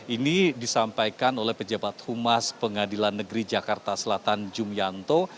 ini disampaikan oleh pejabat humas pengadilan negeri jakarta selatan jumianto